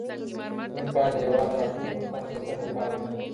موږ بايد د هېواد د راتلونکي لپاره په ګډه کار وکړو.